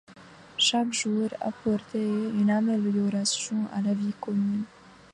Chaque jour apportait une amélioration à la vie commune.